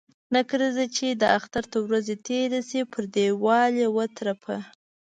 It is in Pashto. نکريزي چې د اختر تر ورځي تيري سي ، پر ديوال يې و ترپه.